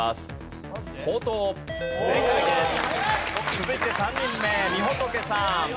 続いて３人目みほとけさん。